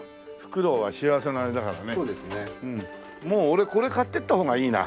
俺これ買ってった方がいいな。